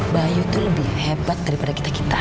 bayu itu lebih hebat daripada kita kita